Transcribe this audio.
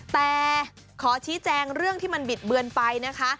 แต่ขอชี้แจงเรื่องที่มันบิดเบือนไปนะคะ